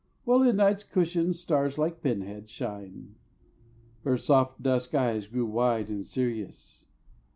While in Night's cushion stars like pin heads shine. Her soft dusk eyes grew wide and serious.